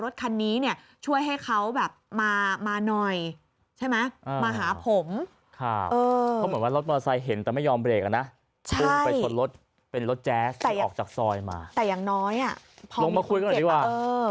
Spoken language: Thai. สอยมาแต่อย่างน้อยอ่ะลงมาคุยกันดีกว่า